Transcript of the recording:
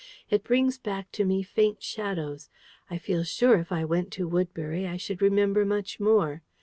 It brings back to me faint shadows. I feel sure if I went to Woodbury I should remember much more.